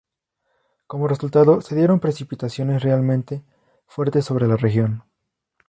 Como resultado se dieron precipitaciones realmente fuertes sobre la región.